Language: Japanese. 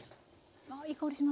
ああいい香りしますね。